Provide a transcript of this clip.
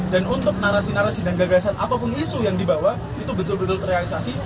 dan untuk narasi narasi dan gagasan apapun isu yang dibawa itu betul betul terrealisasi